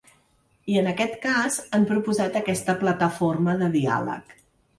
I en aquest cas han proposat aquesta plataforma de diàleg.